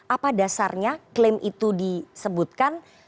apa dasarnya klaim itu disebutkan